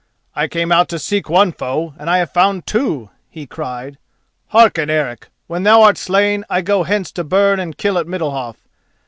"I came out to seek one foe, and I have found two," he cried. "Hearken, Eric: when thou art slain I go hence to burn and kill at Middalhof.